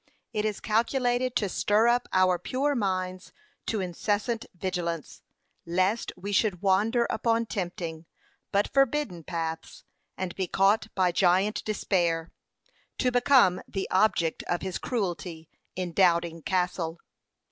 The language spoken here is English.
It is calculated to stir up our pure minds to incessant vigilance, lest we should wander upon tempting, but forbidden paths; and be caught by Giant Despair, to become the object of his cruelty in Doubting Castle.